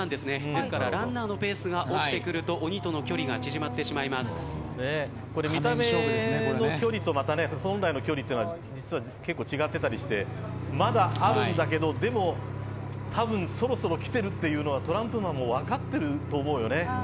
ですからランナーのペースが落ちてくると鬼との距離が見た目の距離とまた本来の距離というのは実は結構、違ってたりしてまだあるんだけど、でもたぶん、そろそろ来てるというのはトランプマンも分かってると思うよね。